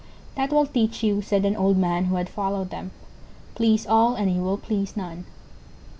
"That will teach you," said an old man who had followed them: "PLEASE ALL, AND YOU WILL PLEASE NONE."